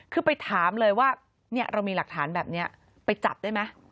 คือไปถามเลยว่าเรามีหลักฐานแบบนี้ไปจับได้ไหม